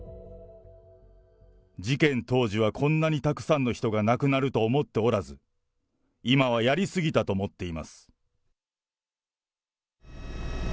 事件当時はこんなにたくさんの人が亡くなると思っておらず、今はやり過ぎたと思っています。